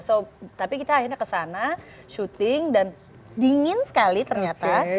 so tapi kita akhirnya kesana syuting dan dingin sekali ternyata